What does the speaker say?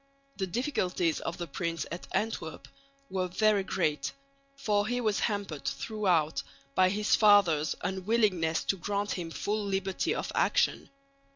The difficulties of the prince at Antwerp were very great, for he was hampered throughout by his father's unwillingness to grant him full liberty of action.